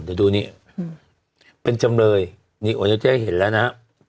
เดี๋ยวดูนี่เป็นจำเลยนี่โอนุเจษย์เห็นแล้วนะ